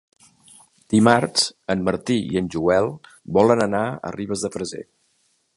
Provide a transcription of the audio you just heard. Dimarts en Martí i en Joel volen anar a Ribes de Freser.